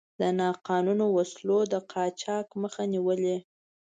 د ناقانونه وسلو د قاچاق مخه نیولې.